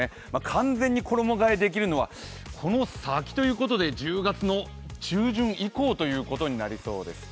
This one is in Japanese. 完全に衣がえできるのはこの先ということで１０月中旬以降になりそうです。